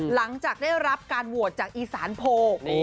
หลังจากได้รับการโหวตจากอีสานโพล